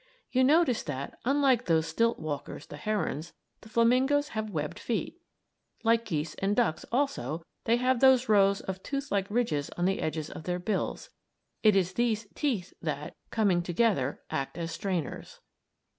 You notice that, unlike those stilt walkers, the herons, the flamingoes have webbed feet. Like geese and ducks, also, they have those rows of tooth like ridges on the edges of their bills. It is these "teeth" that, coming together, act as strainers.